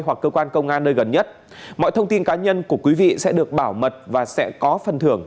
hoặc cơ quan công an nơi gần nhất mọi thông tin cá nhân của quý vị sẽ được bảo mật và sẽ có phần thưởng